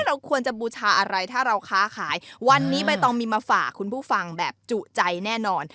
เราควรจะบูชาอะไรถ้าเราค้าขายวันนี้ใบตองมีมาฝากคุณผู้ฟังแบบจุใจแน่นอน